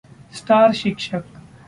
star शिक्षक